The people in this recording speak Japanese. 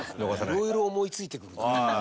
いろいろ思い付いてくるな。